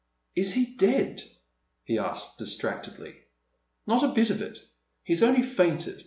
" Is he dead ?" he asks, distractedly. " Not a bit of it. He's only fainted.